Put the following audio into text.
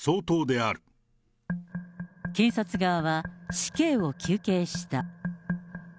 検察側は死刑を求刑した。